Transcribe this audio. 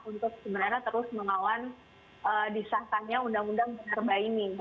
untuk sebenarnya terus mengawan disahatannya undang undang minerba ini